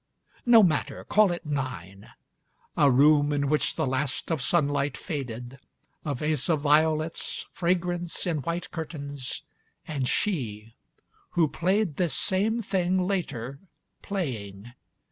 âno matter, call it nineâ A room in which the last of sunlight faded; A vase of violets, fragrance in white curtains; And she, who played this same thing later, playing.